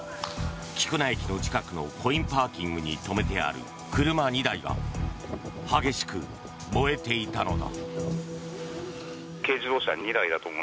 菊名駅の近くのコインパーキングに止めてある車２台が激しく燃えていたのだ。